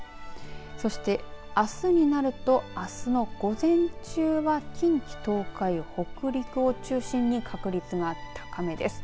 そして、あすになるとあすの午前中は近畿、東海、北陸を中心に確率が高めです。